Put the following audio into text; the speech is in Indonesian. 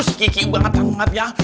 sikiki banget sangat ya